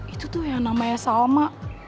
itu tuh yang namanya salma